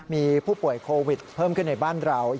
มีผู้ป่วยโควิดเพิ่มขึ้นในบ้านเรา